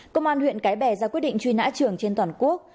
công an huyện cái bè ra quyết định truy nã trường trên toàn quốc